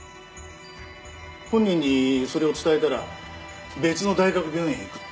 本人にそれを伝えたら別の大学病院へ行くって。